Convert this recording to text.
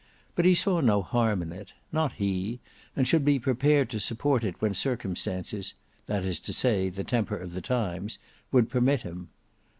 But he saw no harm in it—not he, and should be prepared to support it when circumstances, that is to say the temper of the times, would permit him.